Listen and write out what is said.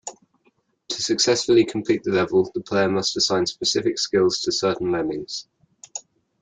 To successfully complete the level, the player must assign specific skills to certain lemmings.